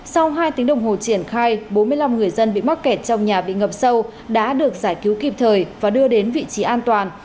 sau hai tiếng đồng hồ triển khai bốn mươi năm người dân bị mắc kẹt trong nhà bị ngập sâu đã được giải cứu kịp thời và đưa đến vị trí an toàn